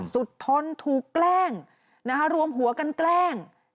สุดทนถูกแกล้งรวมหัวกันแกล้ง